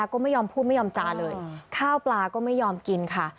ก็ไม่ยอมพูดไม่ยอมจาเลยข้าวปลาก็ไม่ยอมกินค่ะ